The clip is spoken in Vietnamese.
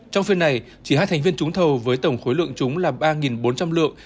trong phiên này chỉ hai thành viên trúng thầu với tổng khối lượng trúng là ba bốn trăm linh lượng